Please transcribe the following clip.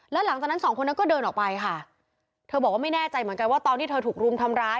แล้วหลังจากนั้นสองคนนั้นก็เดินออกไปค่ะเธอบอกว่าไม่แน่ใจเหมือนกันว่าตอนที่เธอถูกรุมทำร้าย